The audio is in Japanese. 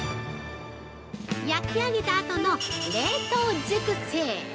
焼き上げたあとの「冷凍熟成」。